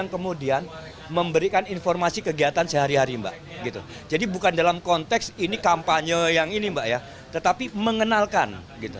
kemudian memberikan informasi kegiatan sehari hari mbak jadi bukan dalam konteks ini kampanye yang ini mbak ya tetapi mengenalkan